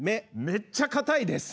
めっちゃかたいです。